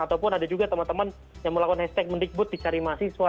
ataupun ada juga teman teman yang melakukan hashtag mendikbud dicari mahasiswa